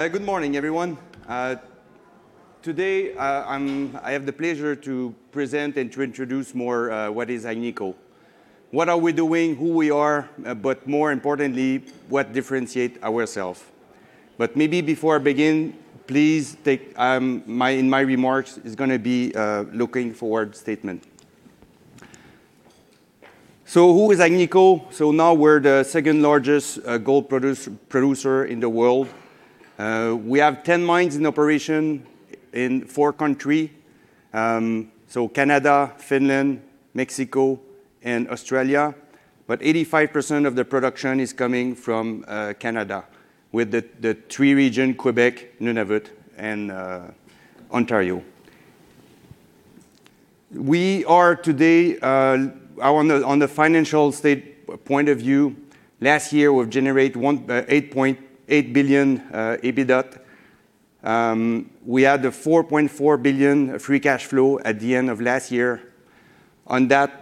Good morning, everyone. Today, I have the pleasure to present and to introduce more what is Agnico. What are we doing, who we are, but more importantly, what differentiates ourselves. Maybe before I begin, please take my remarks is going to be looking forward statements. Who is Agnico? Now we're the second-largest gold producer in the world. We have 10 mines in operation in four countries, Canada, Finland, Mexico, and Australia. 85% of the production is coming from Canada, with the three regions, Quebec, Nunavut, and Ontario. We are today, on the financial state point of view, last year, we've generate $8.8 billion EBITDA. We had a $4.4 billion free cash flow at the end of last year. On that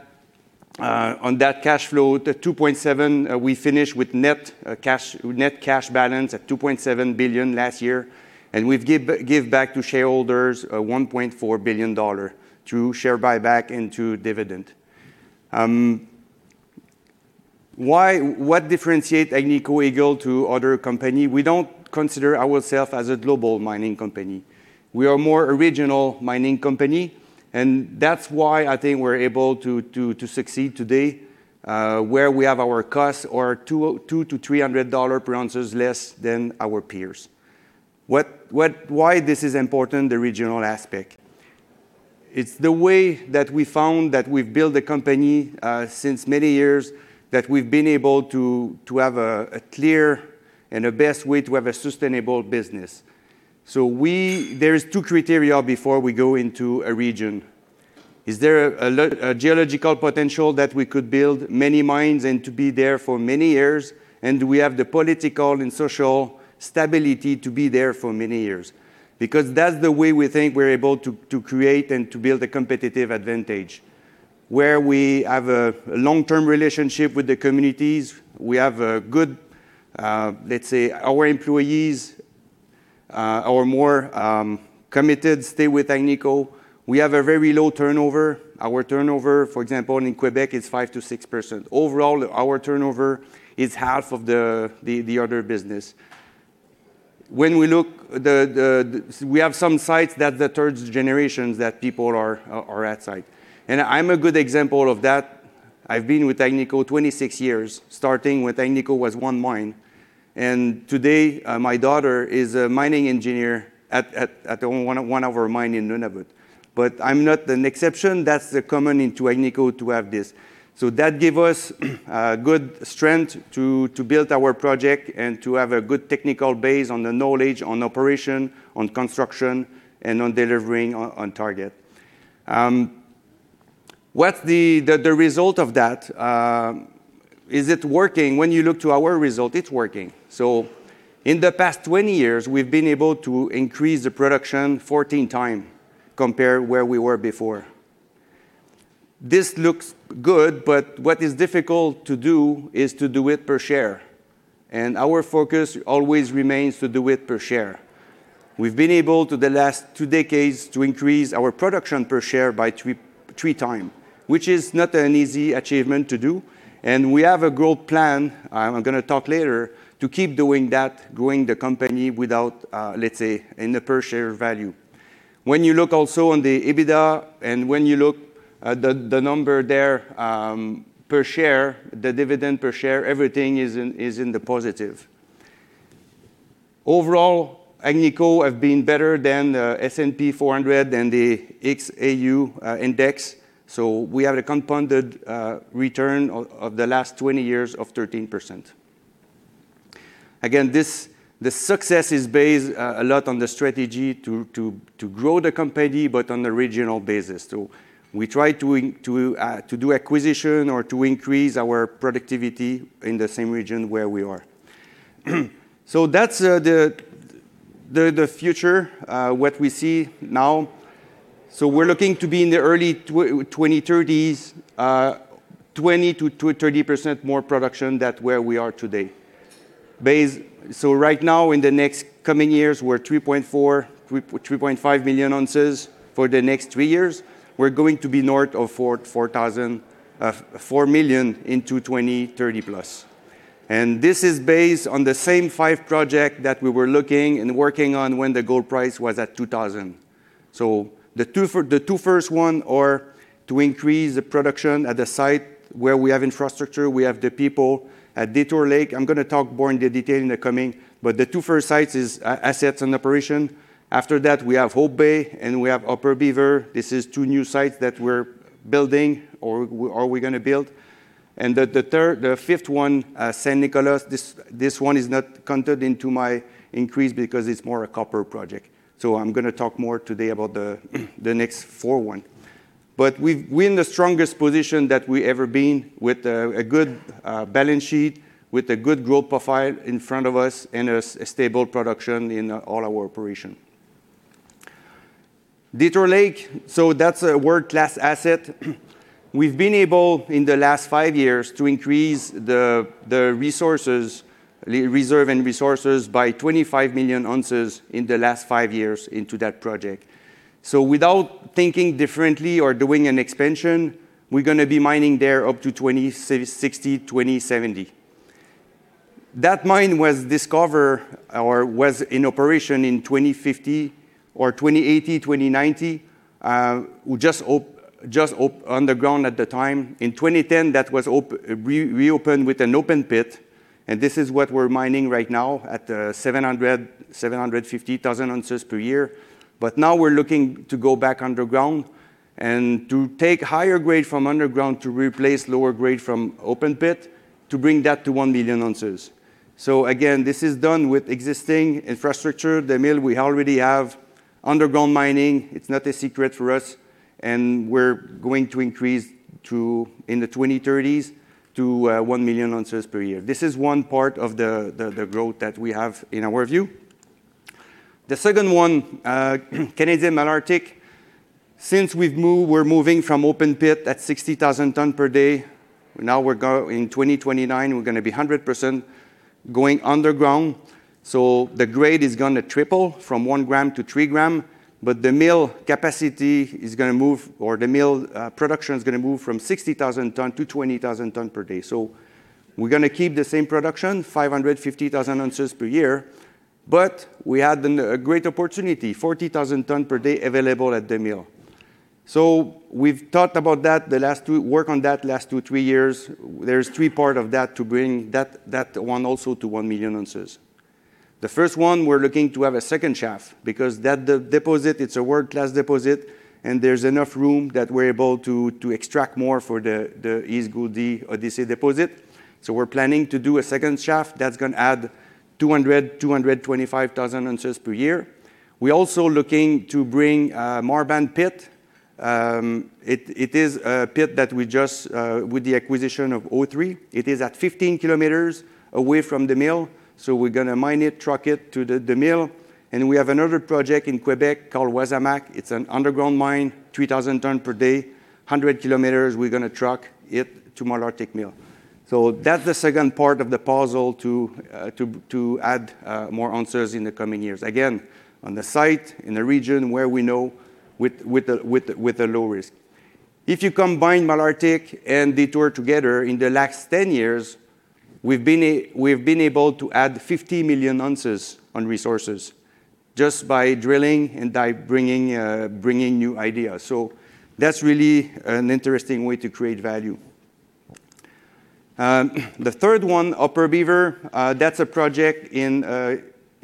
cash flow, the $2.7 billion, we finished with net cash balance at $2.7 billion last year, and we've give back to shareholders $1.4 billion through share buyback into dividend. What differentiate Agnico Eagle to other company? We don't consider ourself as a global mining company. We are more a regional mining company, and that's why I think we're able to succeed today, where we have our costs are $200-$300 per ounce less than our peers. Why this is important, the regional aspect? It's the way that we found that we've built the company, since many years that we've been able to have a clear and a best way to have a sustainable business. There is two criteria before we go into a region. Is there a geological potential that we could build many mines and to be there for many years? And do we have the political and social stability to be there for many years? Because that's the way we think we're able to create and to build a competitive advantage, where we have a long-term relationship with the communities. We have a good... Let's say, our employees are more committed, stay with Agnico. We have a very low turnover. Our turnover, for example, in Quebec, is 5%-6%. Overall, our turnover is half of the other business. We have some sites that the third generations that people are at site. And I'm a good example of that. I've been with Agnico 26 years, starting with Agnico was one mine. And today, my daughter is a mining engineer at one of our mine in Nunavut. But I'm not an exception. That's common into Agnico to have this. That give us good strength to build our project and to have a good technical base on the knowledge, on operation, on construction, and on delivering on target. What is the result of that? Is it working? When you look to our result, it's working. In the past 20 years, we've been able to increase the production 14x compared to where we were before. This looks good, but what is difficult to do is to do it per share. Our focus always remains to do it per share. We've been able, to the last two decades, to increase our production per share by 3x, which is not an easy achievement to do. We have a growth plan, I'm going to talk later, to keep doing that, growing the company without, let's say, in the per share value. When you look also on the EBITDA, and when you look at the number there, per share, the dividend per share, everything is in the positive. Overall, Agnico have been better than the S&P 500 and the XAU Index. We have a compounded return of the last 20 years of 13%. Again, the success is based a lot on the strategy to grow the company, but on a regional basis, too. We try to do acquisition or to increase our productivity in the same region where we are. That's the future, what we see now. We're looking to be in the early 2030s, 20%-30% more production than where we are today. Right now, in the next coming years, we're 3.4 million-3.5 million ounces for the next three years. We're going to be north of 4 million ounces into 2030+. This is based on the same five projects that we were looking and working on when the gold price was at $2,000. The two first one are to increase the production at the site where we have infrastructure, we have the people at Detour Lake. I'm going to talk more into detail in the coming. The two first sites is assets and operation. After that, we have Hope Bay, and we have Upper Beaver. This is two new sites that we're building, or we are going to build. The fifth one, San Nicolás, this one is not counted into my increase because it's more a copper project. I'm going to talk more today about the next four one. We're in the strongest position that we ever been with a good balance sheet, with a good growth profile in front of us, and a stable production in all our operation. Detour Lake, that's a world-class asset. We've been able, in the last five years, to increase the reserve and resources by 25 million ounces in the last five years into that project. Without thinking differently or doing an expansion, we're going to be mining there up to 2060-2070. That mine was in operation in the '80s or 1980, 1990. We just opened underground at the time. In 2010, that was reopened with an open pit, and this is what we're mining right now at 700,000-750,000 ounces per year. Now we're looking to go back underground and to take higher grade from underground to replace lower grade from open pit to bring that to 1 million ounces. Again, this is done with existing infrastructure. The mill, we already have. Underground mining, it's not a secret for us, and we're going to increase in the 2030s to 1 million ounces per year. This is one part of the growth that we have in our view. The second one, Canadian Malartic. Since we've moved, we're moving from open pit at 60,000 tons per day. Now in 2029, we're going to be 100% going underground. The grade is going to triple from one gram to three grams, but the mill production is going to move from 60,000 tons-20,000 tons per day. So we're going to keep the same production, 550,000 ounces per year, but we had a great opportunity, 40,000 tons per day available at the mill. So we've worked on that the last two, three years. There's three part of that to bring that one also to 1 million ounces. The first one, we're looking to have a second shaft because that deposit, it's a world-class deposit, and there's enough room that we're able to extract more for the East Gouldie Odyssey deposit. So we're planning to do a second shaft that's going to add 200,000-225,000 ounces per year. We're also looking to bring Marban pit. It is a pit with the acquisition of O3. It is at 15 km away from the mill, so we're going to mine it, truck it to the mill. And we have another project in Quebec called Wasamac. It's an underground mine, 3,000 tons per day, 100 km. We're going to truck it to Malartic mill. That's the second part of the puzzle to add more ounces in the coming years. Again, on the site, in the region where we know with a low risk. If you combine Malartic and Detour together, in the last 10 years, we've been able to add 50 million ounces on resources just by drilling and by bringing new ideas. That's really an interesting way to create value. The third one, Upper Beaver, that's a project in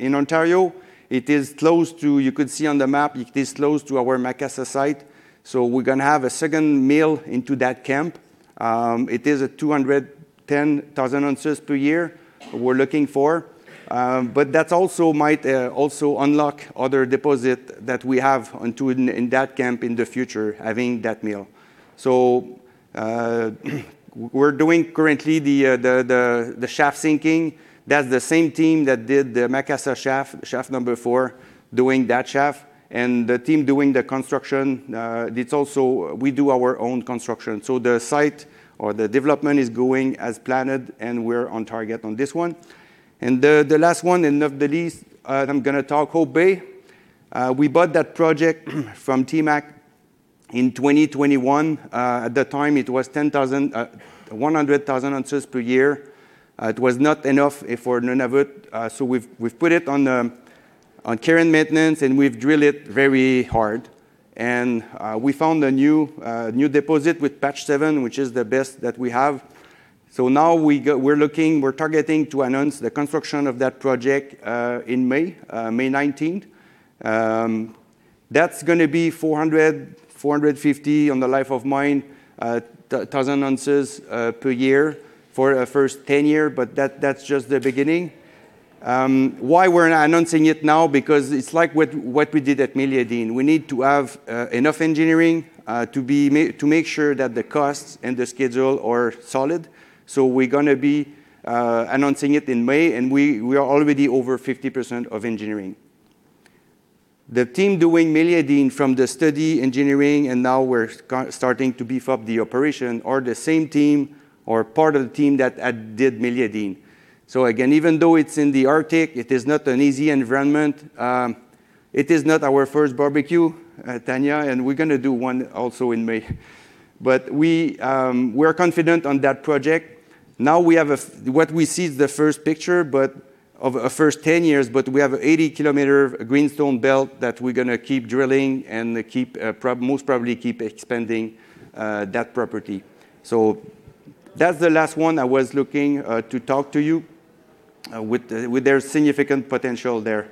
Ontario. You could see on the map, it is close to our Macassa site. We're going to have a second mill into that camp. It is at 210,000 ounces per year we're looking for. That also might also unlock other deposit that we have in that camp in the future, having that mill. We're doing currently the shaft sinking. That's the same team that did the Macassa shaft number four, doing that shaft. The team doing the construction, we do our own construction. The site or the development is going as planned, and we're on target on this one. The last one, and not the least, I'm going to talk Hope Bay. We bought that project from TMAC in 2021. At the time, it was 100,000 ounces per year. It was not enough for Nunavut. We've put it on care and maintenance, and we've drilled it very hard. We found a new deposit with Patch 7, which is the best that we have. Now we're targeting to announce the construction of that project in May 19th. That's going to be 400,000-450,000 on the life of mine, 1,000 ounces per year for first 10 years, but that's just the beginning. Why we're not announcing it now? Because it's like what we did at Meliadine. We need to have enough engineering to make sure that the costs and the schedule are solid. We're going to be announcing it in May, and we are already over 50% of engineering. The team doing Meliadine from the study engineering, and now we're starting to beef up the operation or the same team or part of the team that did Meliadine. Again, even though it's in the Arctic, it is not an easy environment. It is not our first barbecue, Tanya, and we're going to do one also in May. We're confident on that project. Now what we see is the first picture of a first 10 years, but we have 80 km greenstone belt that we're going to keep drilling and most probably keep expanding that property. That's the last one I was looking to talk to you with their significant potential there.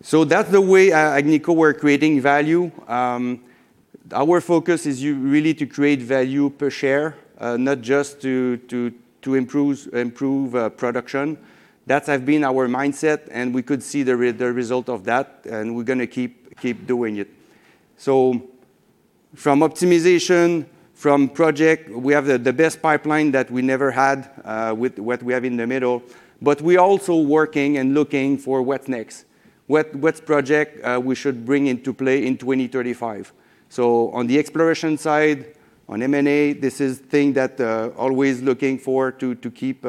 That's the way Agnico were creating value. Our focus is really to create value per share, not just to improve production. That has been our mindset, and we could see the result of that, and we're going to keep doing it. From optimization, from project, we have the best pipeline that we never had with what we have in the middle. We're also working and looking for what next. What project we should bring into play in 2035. On the exploration side, on M&A, this is thing that always looking forward to keep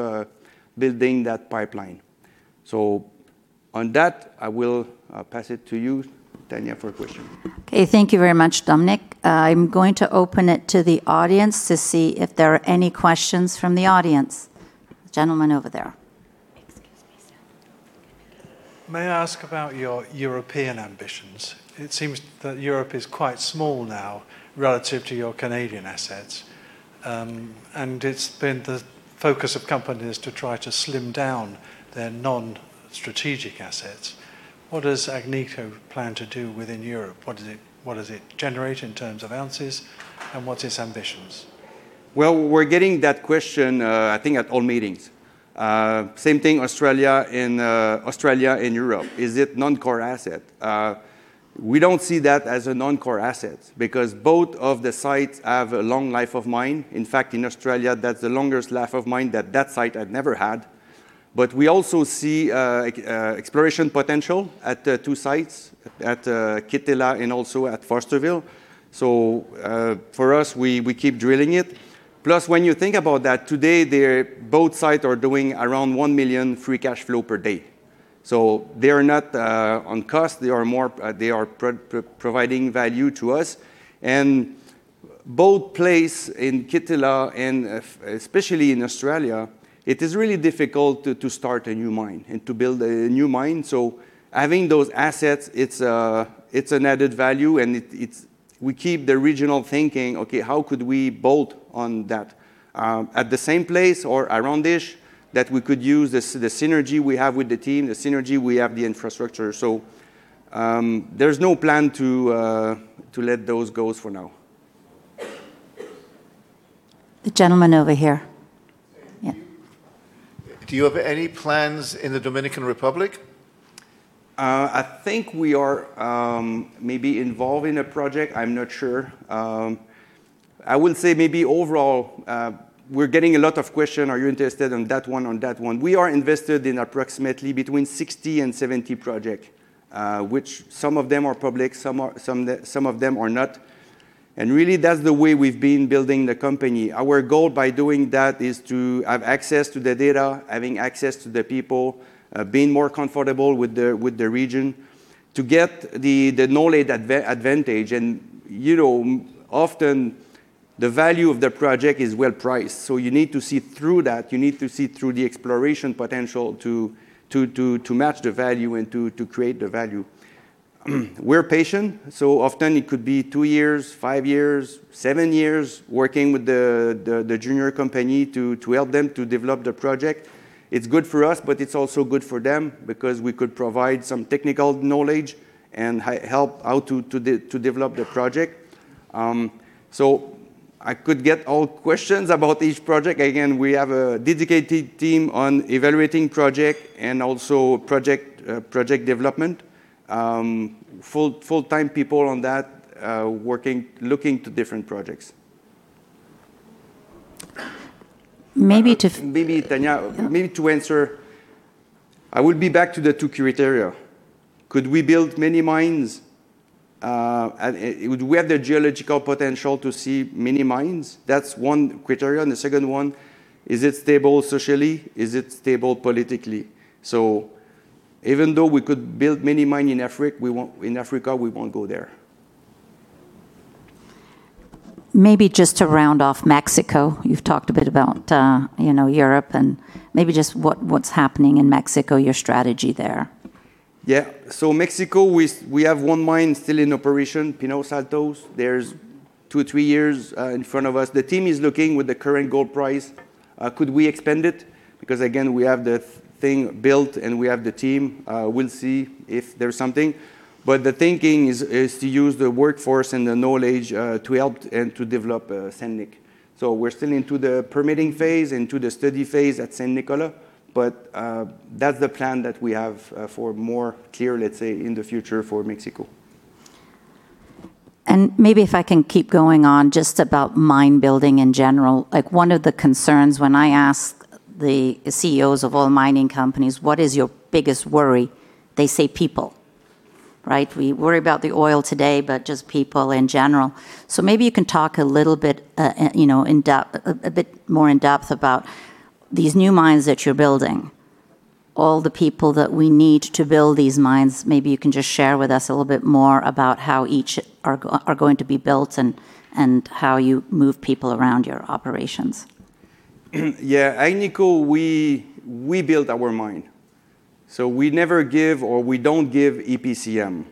building that pipeline. On that, I will pass it to you, Tanya, for questions. Okay. Thank you very much, Dominique. I'm going to open it to the audience to see if there are any questions from the audience. Gentleman over there. Excuse me. May I ask about your European ambitions? It seems that Europe is quite small now relative to your Canadian assets. It's been the focus of companies to try to slim down their non-strategic assets. What does Agnico plan to do within Europe? What does it generate in terms of ounces, and what's its ambitions? Well, we're getting that question, I think at all meetings. Same thing, Australia and Europe. Is it non-core asset? We don't see that as a non-core asset because both of the sites have a long life of mine. In fact, in Australia, that's the longest life of mine that site has ever had. We also see exploration potential at the two sites, at Kittilä and also at Fosterville. For us, we keep drilling it. Plus, when you think about that, today both sites are doing around $1 million free cash flow per day. They are not on cost, they are providing value to us. Both place in Kittilä and especially in Australia, it is really difficult to start a new mine and to build a new mine. Having those assets, it's an added value and we keep the regional thinking. Okay, how could we build on that at the same place or around this that we could use the synergy we have with the team, the synergy we have the infrastructure? There's no plan to let those go for now. The gentleman over here. Yeah. Do you have any plans in the Dominican Republic? I think we are maybe involved in a project. I'm not sure. I would say maybe overall, we're getting a lot of question, "Are you interested in that one or that one?" We are invested in approximately between 60 and 70 projects, which some of them are public, some of them are not. Really that's the way we've been building the company. Our goal by doing that is to have access to the data, having access to the people, being more comfortable with the region to get the knowledge advantage and often the value of the project is well-priced. You need to see through that. You need to see through the exploration potential to match the value and to create the value. We're patient, so often it could be two years, five years, seven years working with the junior company to help them to develop the project. It's good for us, but it's also good for them because we could provide some technical knowledge and help how to develop the project. I could get all questions about each project. Again, we have a dedicated team on evaluating project and also project development, full-time people on that, working, looking to different projects. Maybe to- Maybe, Tanya. Maybe to answer, I would be back to the two criteria. Could we build many mines? Would we have the geological potential to see many mines? That's one criterion. The second one, is it stable socially? Is it stable politically? Even though we could build many mine in Africa, we won't go there. Maybe just to round off Mexico, you've talked a bit about Europe, and maybe just what's happening in Mexico, your strategy there? Yeah. Mexico, we have one mine still in operation, Pinos Altos. There's 2-3 years in front of us. The team is looking with the current gold price, could we expand it? Because again, we have the thing built and we have the team. We'll see if there's something. The thinking is to use the workforce and the knowledge to help and to develop San Nicolás. We're still into the permitting phase, into the study phase at San Nicolás, but that's the plan that we have for more clear, let's say, in the future for Mexico. Maybe if I can keep going on just about mine building in general. One of the concerns when I ask the CEOs of all mining companies, "What is your biggest worry?" they say, "People." Right? We worry about the oil today, but just people in general. Maybe you can talk a little bit more in depth about these new mines that you're building, all the people that we need to build these mines? Maybe you can just share with us a little bit more about how each are going to be built and how you move people around your operations? Yeah. Agnico, we build our mine, so we never give or we don't give EPCM.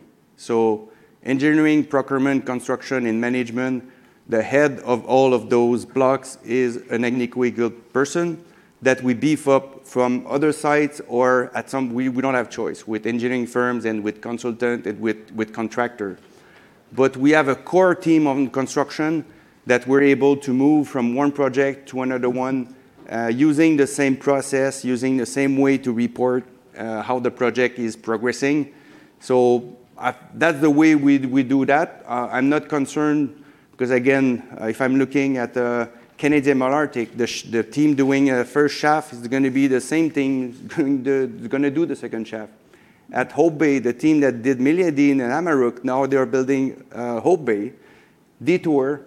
Engineering, procurement, construction, and management, the head of all of those blocks is an Agnico-selected person that we beef up from other sites or at some we don't have choice with engineering firms and with consultant, with contractor. We have a core team on construction that we're able to move from one project to another one, using the same process, using the same way to report how the project is progressing. That's the way we do that. I'm not concerned because again, if I'm looking at Canadian Malartic, the team doing a first shaft is going to be the same team doing the second shaft. At Hope Bay, the team that did Meliadine and Amaruq, now they're building Hope Bay. Detour,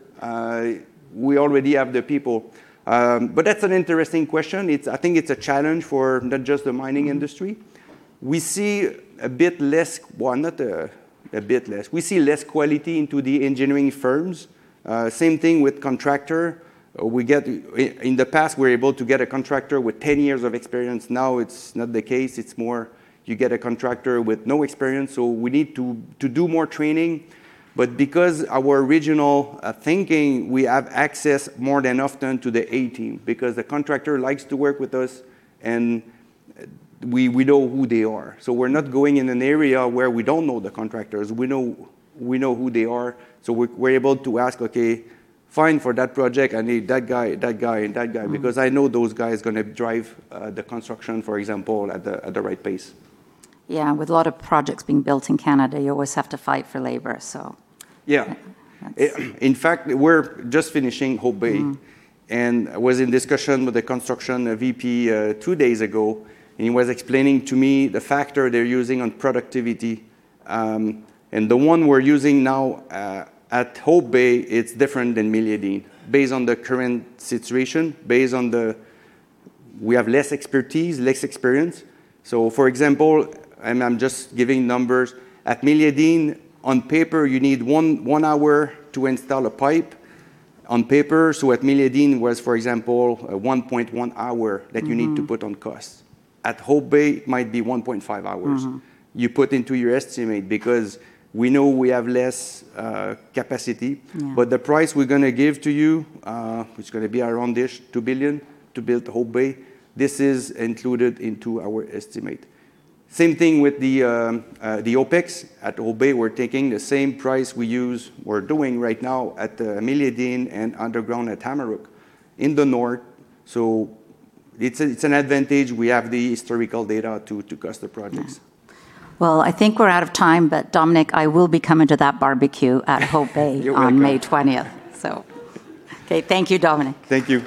we already have the people. That's an interesting question. I think it's a challenge for not just the mining industry. We see a bit less. Well, not a bit less, we see less quality into the engineering firms. Same thing with contractor. In the past, we're able to get a contractor with 10 years of experience. Now it's not the case. It's more you get a contractor with no experience, so we need to do more training. Because our original thinking, we have access more than often to the A-team because the contractor likes to work with us, and we know who they are. We're not going in an area where we don't know the contractors. We know who they are, so we're able to ask, okay, fine for that project, I need that guy, that guy, and that guy because I know those guys are going to drive the construction, for example, at the right pace. Yeah. With a lot of projects being built in Canada, you always have to fight for labor. Yeah. In fact, we're just finishing Hope Bay. I was in discussion with the Construction VP two days ago, and he was explaining to me the factor they're using on productivity. The one we're using now at Hope Bay, it's different than Meliadine based on the current situation. We have less expertise, less experience. For example, and I'm just giving numbers. At Meliadine, on paper, you need one hour to install a pipe on paper. At Meliadine was, for example, 1.1 hour that you need. To put on cost. At Hope Bay it might be 1.5 hours. You put into your estimate because we know we have less capacity. The price we're going to give to you, which is going to be around-ish $2 billion to build Hope Bay, this is included into our estimate. Same thing with the OpEx. At Hope Bay, we're taking the same price we're doing right now at Meliadine and underground at Amaruq in the north. It's an advantage we have the historical data to cost the projects. Well, I think we're out of time, but Dominique, I will be coming to that barbecue at Hope Bay. You're welcome. On May 20th. Okay, thank you, Dominique. Thank you.